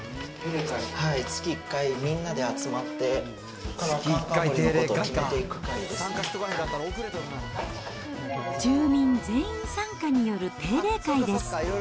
月１回、みんなで集まって、住民全員参加による定例会です。